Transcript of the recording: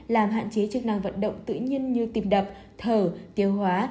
làm hạn chế chức năng vận động tự nhiên như tìm đập thở tiêu hóa